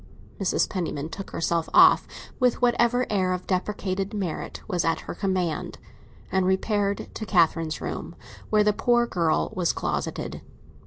Mrs. Penniman took herself off, with whatever air of depreciated merit was at her command, and repaired to Catherine's room, where the poor girl was closeted.